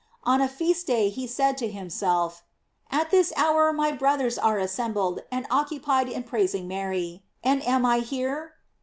On a feast day he said to himself: "At this hour my brothers are assembled and occupied in praising Mary, and am I here"?